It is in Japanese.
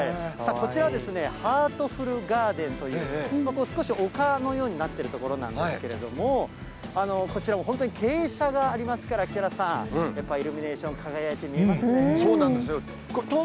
こちらですね、ハートフルガーデンという、少し丘のようになってるところなんですけれども、こちらも本当に傾斜がありますから、木原さん、やっぱイルミネーション、輝いて見えますね。